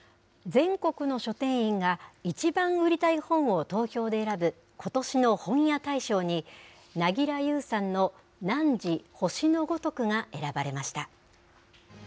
全国の書店員が、いちばん売りたい本を投票で選ぶ、ことしの本屋大賞に、凪良ゆうさんの汝、星のごとくが選ばれました。